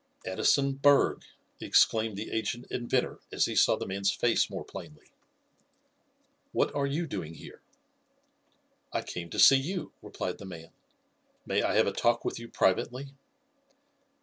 "Addison Berg!" exclaimed the aged inventor as he saw the man's face more plainly. "What are you doing here?" "I came to see you," replied the man. "May I have a talk with you privately?"